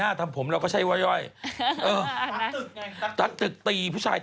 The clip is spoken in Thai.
อ่าเขาเข้าใจได้พูด